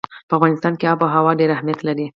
په افغانستان کې آب وهوا ډېر اهمیت لري.